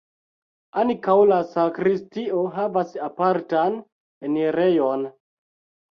Ankaŭ la sakristio havas apartan enirejon.